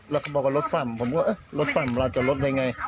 แล้วก็บอกว่ารถปร่ำผมก็เฮ้ยรถปร่ำรถจอดรถได้ไง